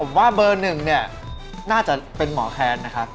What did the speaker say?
ผมว่าเบอร์หนึ่งเนี่ยน่าจะเป็นหมอแคนนะครับ